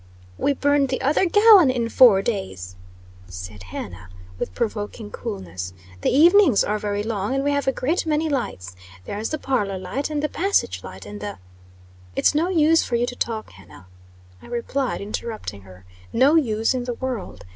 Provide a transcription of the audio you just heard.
"We burned the other gallon in four days," said Hannah, with provoking coolness. "The evenings are very long, and we have a great many lights. There's the parlor light, and the passage light, and the " "It's no use for you to talk, Hannah," I replied, interrupting her. "No use in the world.